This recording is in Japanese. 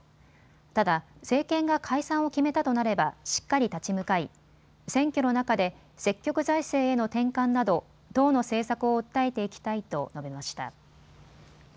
ただ、政権が解散を決めたとなればしっかり立ち向かい選挙の中で積極財政への転換など党の政策を訴えていきたいと述べました。